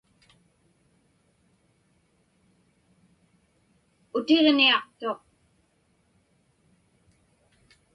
Utiġniaqtuq.